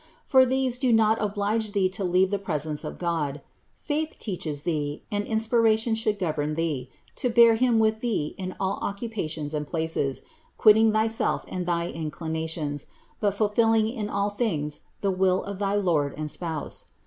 For these do not oblige thee to leave the presence of God: faith teaches thee, and inspiration should govern thee, to bear Him with thee in all occupations and places, quitting thy self and thy inclinations, but fulfilling in all things the will of thy Lord and Spouse.